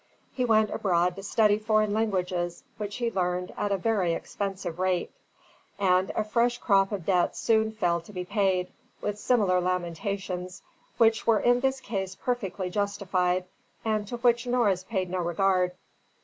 He went abroad to study foreign languages, which he learned, at a very expensive rate; and a fresh crop of debts fell soon to be paid, with similar lamentations, which were in this case perfectly justified, and to which Norris paid no regard.